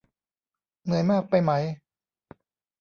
เหนื่อยมากไปไหม